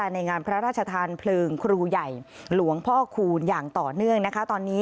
ในงานพระราชทานเพลิงครูใหญ่หลวงพ่อคูณอย่างต่อเนื่องนะคะตอนนี้